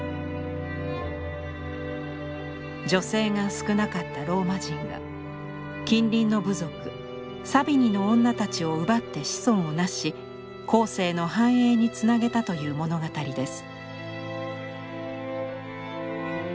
女性が少なかったローマ人が近隣の部族サビニの女たちを奪って子孫をなし後世の繁栄につなげたという物語です。